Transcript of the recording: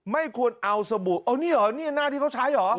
ไม่ควรเอาสบู่เอานี่เหรอนี่หน้าที่เขาใช้เหรอ